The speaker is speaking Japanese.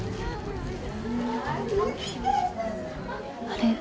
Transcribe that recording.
あれ？